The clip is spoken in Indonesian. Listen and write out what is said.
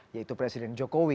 yaitu presiden jokowi